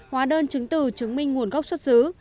hóa đơn chứng từ chứng minh nguồn gốc xuất xứ